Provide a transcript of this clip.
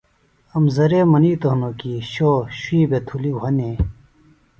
امزرے منِیتوۡ ہنوۡ کیۡ شو شُوی بھےۡ تُھلیۡ وھہ نے